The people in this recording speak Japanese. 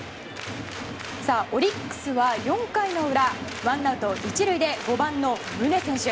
オリックスは４回の裏ワンアウト１塁で５番の宗選手。